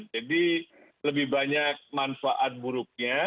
jadi lebih banyak manfaat buruknya